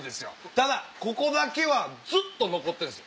ただここだけはずっと残ってるんです。